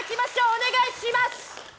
お願いします。